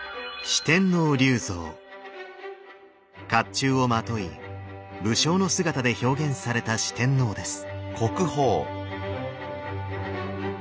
甲冑をまとい武将の姿で表現された四天王です。